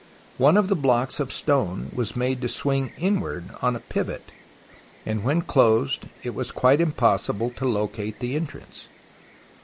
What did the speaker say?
One of the blocks of stone was made to swing inward on a pivot, and when closed it was quite impossible to locate the entrance.